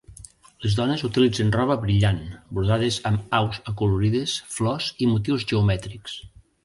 Les dones utilitzen roba brillant, brodades amb aus acolorides, flors i motius geomètrics.